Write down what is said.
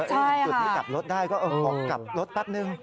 ถึงกลับรถได้ก็ออกกลับรถแป๊บหนึ่ง